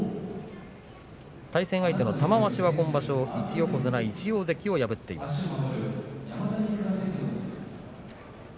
対戦相手の玉鷲今場所１大関１横綱を破っています。